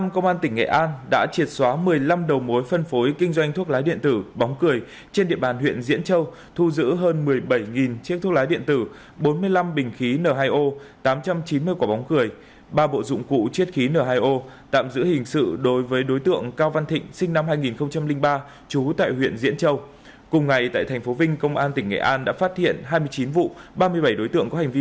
công an tỉnh nghệ an đồng loạt kiểm tra khám xét năm mươi chín điểm sáu mươi tám đối tượng tại huyện diễn châu và thành phố vinh liên quan đến mua bán trái phép tiền chất ma túy dưới dạng thuốc lái điện tử và các hành vi vi phạm pháp luật liên quan đến bóng cười